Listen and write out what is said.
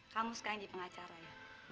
kamu sekarang di pengacara ya